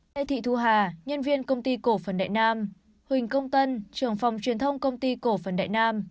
lê thị thu hà nhân viên công ty cổ phần đại nam huỳnh công tân trường phòng truyền thông công ty cổ phần đại nam